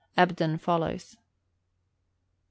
Ebden follows. No.